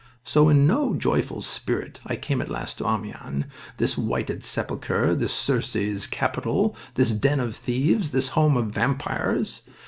So in no joyful spirit I came at last to Amiens, this whited sepulcher, this Circe's capital, this den of thieves, this home of vampires.